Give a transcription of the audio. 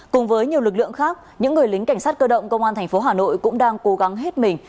cùng với nhiều lực lượng khác những người lính cảnh sát cơ động công an thành phố hà nội cũng đang cố gắng hết mình